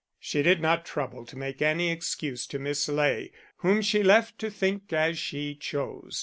She did not trouble to make any excuse to Miss Ley, whom she left to think as she chose.